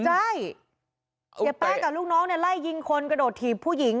ใช่เสียแป้งกับลูกน้องเนี่ยไล่ยิงคนกระโดดถีบผู้หญิง